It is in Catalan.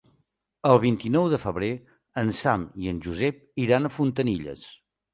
El vint-i-nou de febrer en Sam i en Josep iran a Fontanilles.